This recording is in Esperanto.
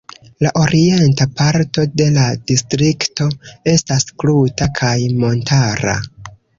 La orienta parto de la Distrikto estas kruta kaj montara.